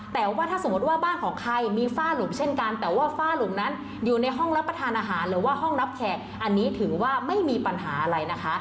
แต่ว่าถ้าสมมุติว่าบ้านของใครมีฝ้าหลุมเช่นกันแต่ว่าฝ้าหลุมนั้นอยู่ในห้องรับประทานอาหารหรือว่าห้องรับแขกอันนี้ถือว่าไม่มีปัญหาอะไรนะคะ